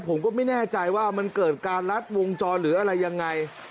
ผมก็ไม่แน่ใจว่ามันเกิดการลัดวงจรหรืออะไรยังไง